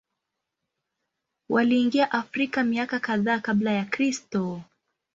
Waliingia Afrika miaka kadhaa Kabla ya Kristo.